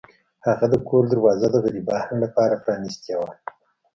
هغه د کور دروازه د غریبانو لپاره پرانیستې وه.